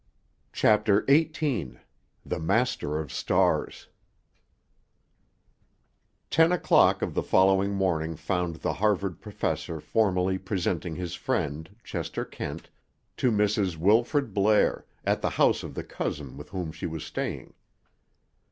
CHAPTER XVIII—THE MASTER OF STARS Ten o'clock of the following morning found the Harvard professor formally presenting his friend, Chester Kent, to Mrs. Wilfrid Blair, at the house of the cousin with whom she was staying.